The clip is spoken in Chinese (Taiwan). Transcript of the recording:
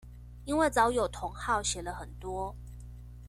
因為早有同好寫了很多